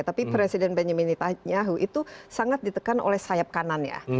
tapi presiden netanyahu itu sangat ditekan oleh sayap kanan